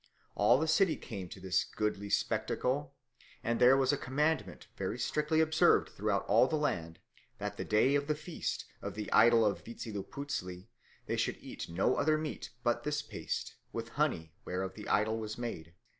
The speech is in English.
... All the city came to this goodly spectacle, and there was a commandment very strictly observed throughout all the land, that the day of the feast of the idol of Vitzilipuztli they should eat no other meat but this paste, with honey, whereof the idol was made.